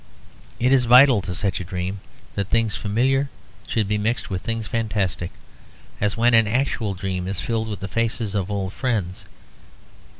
It is vital to such a dream that things familiar should be mixed with things fantastic; as when an actual dream is filled with the faces of old friends.